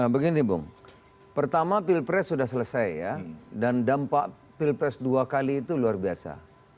begini bung pertama pilpres sudah selesai ya dan dampak pilpres dua kali itu luar biasa